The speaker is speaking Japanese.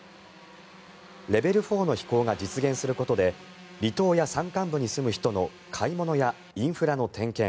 レベル４の飛行が実現することで離島や山間部に住む人の買い物やインフラの点検